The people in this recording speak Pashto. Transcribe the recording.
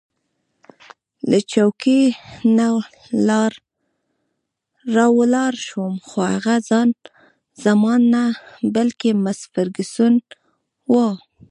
له چوکۍ نه راولاړ شوم، خو هغه خان زمان نه، بلکې مس فرګوسن وه.